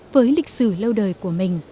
với lịch sử lâu đời của mình